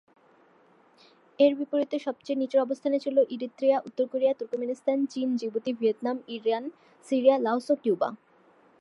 এর বিপরীতে সবচেয়ে নিচের অবস্থানে ছিল ইরিত্রিয়া, উত্তর কোরিয়া, তুর্কমেনিস্তান, চীন, Djibouti, Vietnam, Iran, Syria, Laos ও কিউবা।